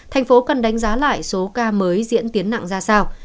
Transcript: thành phố cần đánh giá lại số ca mới diễn tiến nặng ra sao